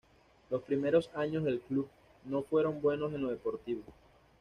Los primeros años del club no fueron buenos en lo deportivo.